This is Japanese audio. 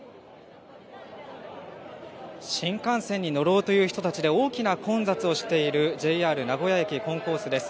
新幹線に乗ろうという人たちで大きな混雑をしているＪＲ名古屋駅コンコースです。